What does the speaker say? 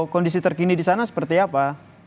kondisi terkini disana seperti apa